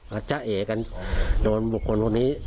จ้าเอกันโดนบุคคลพวกนี้